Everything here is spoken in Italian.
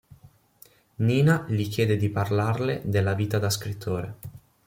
Nina gli chiede di parlarle della vita da scrittore.